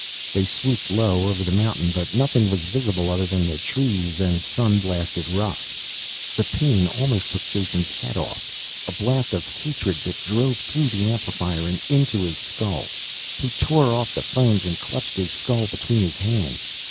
They swooped low over the mountain, but nothing was visible other than the trees and sun blasted rock. The pain almost took Jason's head off. A blast of hatred that drove through the amplifier and into his skull. He tore off the phones, and clutched his skull between his hands.